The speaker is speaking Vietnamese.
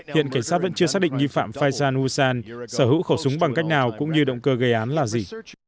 hiện cảnh sát vẫn chưa xác định nghi phạm fajan husan sở hữu khẩu súng bằng cách nào cũng như động cơ gây án là gì